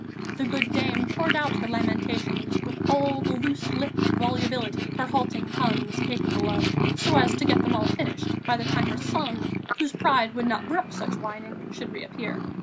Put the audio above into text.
The good dame poured out her lamentations with all the loose lipped volubility her halting tongue was capable of, so as to get them all finished by the time her son, whose pride would not brook such whining, should reappear.